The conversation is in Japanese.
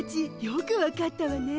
よく分かったわね。